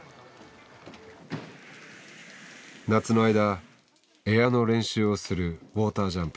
夏の間エアの練習をするウォータージャンプ。